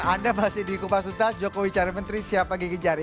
anda masih di kupas tuntas jokowi cari menteri siapa gigi jari